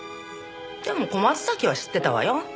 でも小松崎は知ってたわよ。